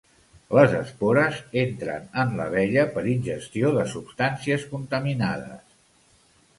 Les espores entren en l'abella per ingestió de substàncies contaminades.